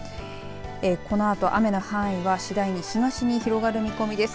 このあと雨の範囲は次第に東に広がる見込みです。